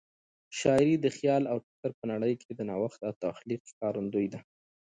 شاعري د خیال او فکر په نړۍ کې د نوښت او تخلیق ښکارندوی ده.